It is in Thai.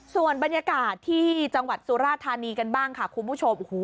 ส่วนบรรยากาศที่จังหวัดสุราธานีกันบ้างค่ะคุณผู้ชม